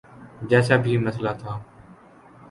جیسا بھی مسئلہ تھا۔